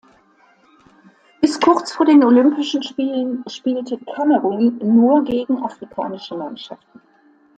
Bis kurz vor den Olympischen Spielen spielte Kamerun nur gegen afrikanische Mannschaften.